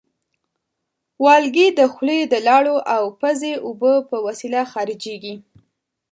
والګی د خولې د لاړو او پزې اوبو په وسیله خارجېږي.